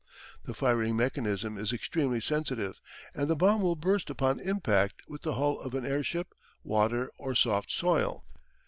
The firing mechanism is extremely sensitive and the bomb will burst upon impact with the hull of an airship, water, or soft soil.